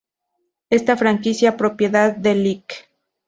Esta franquicia, propiedad del Lic.